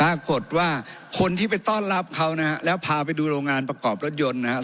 ปรากฏว่าคนที่ไปต้อนรับเขานะฮะแล้วพาไปดูโรงงานประกอบรถยนต์นะครับ